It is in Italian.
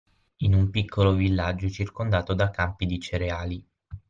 In un piccolo villaggio circondato da campi di cereali.